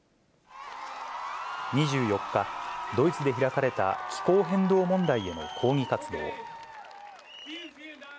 ２４日、ドイツで開かれた気候変動問題への抗議活動。